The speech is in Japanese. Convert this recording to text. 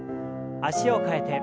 脚を替えて。